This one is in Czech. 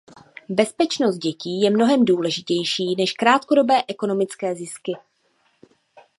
Bezpečnost dětí je mnohem důležitější než krátkodobé ekonomické zisky.